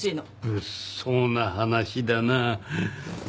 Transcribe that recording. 物騒な話だな。